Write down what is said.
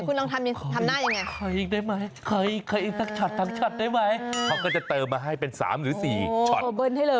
สองกระบวยสามกระบวยก็ว่ากันไป